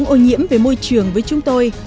nguồn ô nhiễm về môi trường với chúng tôi